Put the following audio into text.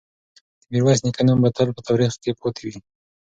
د میرویس نیکه نوم به تل په تاریخ کې پاتې وي.